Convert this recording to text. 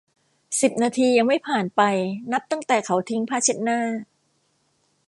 สิบนาทียังไม่ผ่านไปนับตั้งแต่เขาทิ้งผ้าเช็ดหน้า